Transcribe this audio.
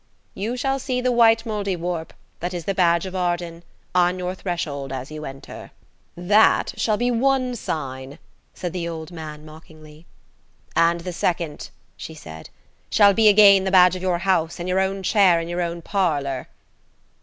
"You shall see the white Mouldiwarp, that is the badge of Arden, on your threshold as you enter." "That shall be one sign," said the old man mockingly. "And the second," she said, "shall be again the badge of your house, in your own chair in your own parlour."